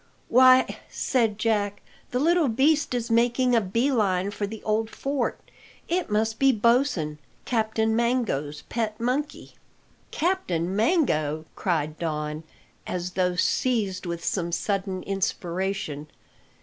"Why," said Jack, "the little beast is making a bee line for the old fort. It must be Bosin, Captain Mango's pet monkey." "Captain Mango!" cried Don, as though seized with some sudden inspiration.